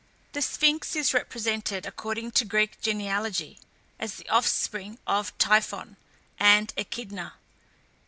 The Sphinx is represented, according to Greek genealogy, as the offspring of Typhon and Echidna.